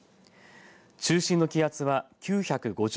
中心の気圧は９５０